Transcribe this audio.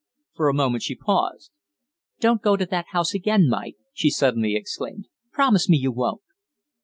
For a moment she paused. "Don't go to that house again, Mike," she suddenly exclaimed. "Promise me you won't."